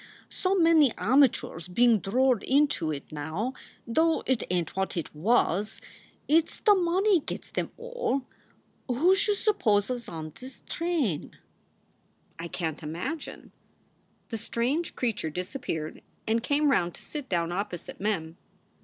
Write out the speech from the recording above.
So many amachoors bein drord into it now, though, it ain t what it was. It s the money gets em all. Who joo s pose is on this strain? " SOULS FOR SALE 63 "I can t imagine." The strange creature disappeared and came round to sit down opposite Mem.